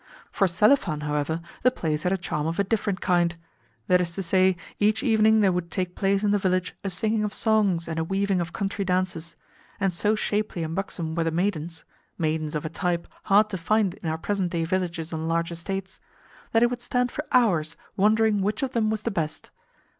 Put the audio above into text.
For Selifan, however, the place had a charm of a different kind. That is to say, each evening there would take place in the village a singing of songs and a weaving of country dances; and so shapely and buxom were the maidens maidens of a type hard to find in our present day villages on large estates that he would stand for hours wondering which of them was the best.